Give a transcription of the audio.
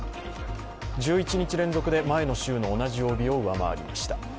１１日連続で前の週の同じ曜日を上回りました。